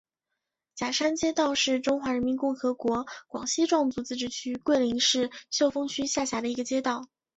甲山街道是中华人民共和国广西壮族自治区桂林市秀峰区下辖的一个街道。